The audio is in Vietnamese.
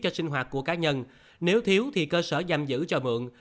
cho sinh hoạt của cá nhân nếu thiếu thì cơ sở giam giữ cho mượn